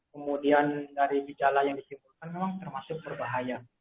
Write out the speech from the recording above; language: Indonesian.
kemudian dari gejala yang disimpulkan memang termasuk berbahaya